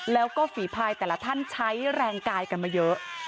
แล้วก็ฝีพายแต่ละท่านใช้แรงกายกันมาเยอะ